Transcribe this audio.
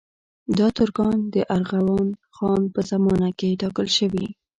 دا ترکان د ارغون خان په زمانه کې ټاکل شوي.